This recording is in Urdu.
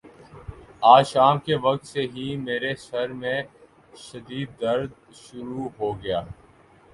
آج شام کے وقت سے ہی میرے سر میں شدد درد شروع ہو گیا